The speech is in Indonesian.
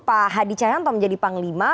pak hadi cahyanto menjadi panglima